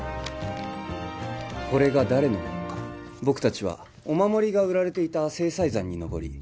これが誰のものか僕達はお守りが売られていた西塞山に登り